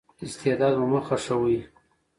استعداد مو مه خښوئ.